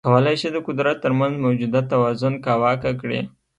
کولای شي د قدرت ترمنځ موجوده توازن کاواکه کړي.